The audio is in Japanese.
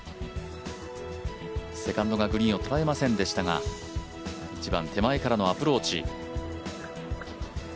セカンドがグリーンを捉えませんでしたが１番、手前からのアプローチ。